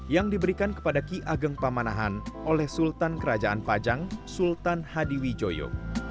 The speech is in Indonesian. yang diberikan kepada ki ageng pamanahan oleh sultan kerajaan pajang sultan hadi wijoyo